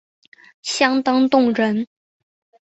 相当动人